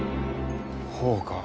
ほうか。